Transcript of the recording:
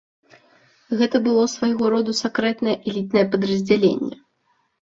Гэта было свайго роду сакрэтнае элітнае падраздзяленне.